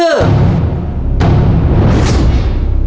ตัวเลือกใดไม่ใช่ลักษณะของตัวการ์ตูนแมวบนตอน